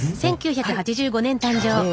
え